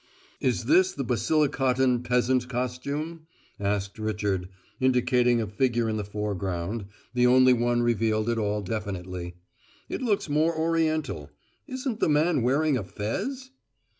"Is this the Basilicatan peasant costume?" asked Richard, indicating a figure in the foreground, the only one revealed at all definitely. "It looks more oriental. Isn't the man wearing a fez?"